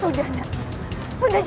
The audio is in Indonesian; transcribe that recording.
itu sahabatmu rasanta